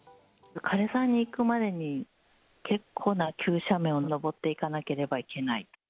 かれ沢に行くまでに結構な急斜面を登っていかなければいけない。